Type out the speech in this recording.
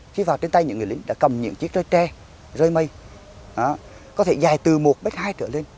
khi vào trên tay những người lính đã cầm những chiếc rơi tre rơi mây có thể dài từ một m hai trở lên